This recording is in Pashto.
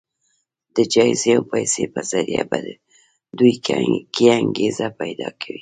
د جايزې او پيسو په ذريعه په دوی کې انګېزه پيدا کوي.